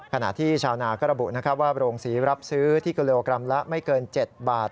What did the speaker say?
ขณะที่ชาวนาก็ระบุนะครับว่าโรงศรีรับซื้อที่กิโลกรัมละไม่เกิน๗บาท